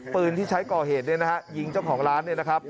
ปืนที่ใช้ก่อเหตุยิงเจ้าของร้าน